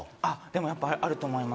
やっぱりあると思います。